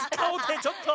ちょっと！